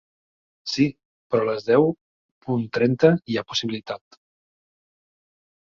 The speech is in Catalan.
Sí, però a les deu punt trenta hi ha possibilitat.